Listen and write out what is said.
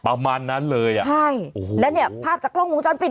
ประมาณนั้นเลยอ่ะใช่โอ้โหแล้วเนี่ยภาพจากกล้องวงจรปิด